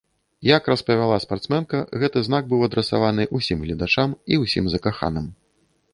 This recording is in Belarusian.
Як распавяла спартсменка, гэты знак быў адрасаваны ўсім гледачам і ўсім закаханым.